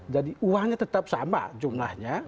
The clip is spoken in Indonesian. jadi uangnya tetap sama jumlahnya